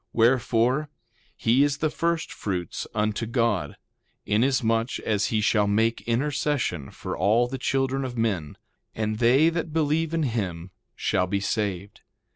2:9 Wherefore, he is the first fruits unto God, inasmuch as he shall make intercession for all the children of men; and they that believe in him shall be saved.